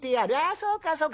そうかそうか。